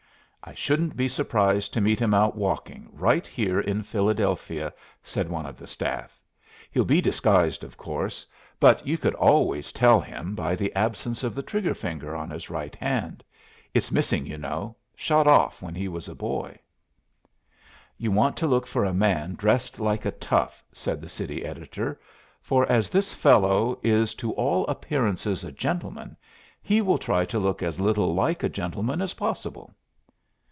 "I shouldn't be surprised to meet him out walking, right here in Philadelphia," said one of the staff. "He'll be disguised, of course, but you could always tell him by the absence of the trigger finger on his right hand. It's missing, you know; shot off when he was a boy." "You want to look for a man dressed like a tough," said the city editor; "for as this fellow is to all appearances a gentleman, he will try to look as little like a gentleman as possible."